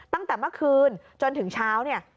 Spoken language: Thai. ตั้งแต่เมื่อคืนจนถึงเช้าเนี่ย